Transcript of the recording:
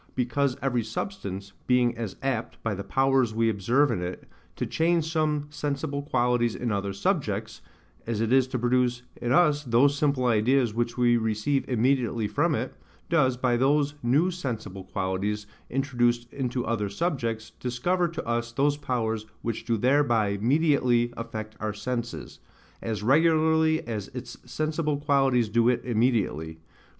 Because every substance, being as apt, by the powers we observe in it, to change some sensible qualities in other subjects, as it is to produce in us those simple ideas which we receive immediately from it, does, by those new sensible qualities introduced into other subjects, discover to us those powers which do thereby mediately affect our senses, as regularly as its sensible qualities do it immediately: v. g.